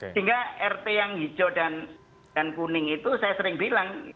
sehingga rt yang hijau dan kuning itu saya sering bilang